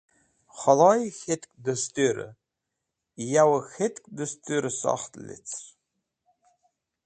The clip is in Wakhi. Khẽdhoyẽ k̃het dẽnyoẽ, yawẽ k̃het dẽsrũrẽ sokht lecrit.